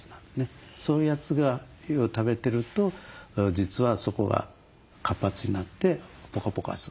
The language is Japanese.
そういうやつを食べてると実はそこが活発になってポカポカする。